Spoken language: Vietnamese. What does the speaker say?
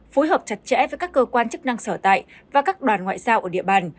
phối hợp chặt chẽ với các cơ quan chức năng sở tại và các đoàn ngoại giao ở địa bàn